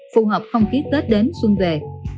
phù hợp không khí tết đến xuân về